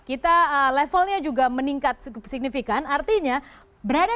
kita levelnya juga meningkat signifikan artinya berada